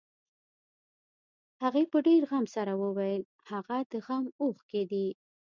هغې په ډېر غم سره وويل هغه د غم اوښکې دي.